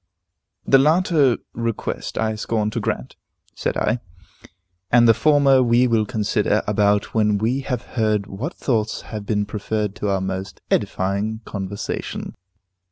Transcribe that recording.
"The latter request I scorn to grant," said I, "and the former we will consider about when we have heard what thoughts have been preferred to our most edifying conversation."